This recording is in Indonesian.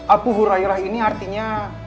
abu hurairah ini artinya